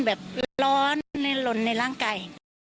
แบบร้อนในหล่นในร่างกาย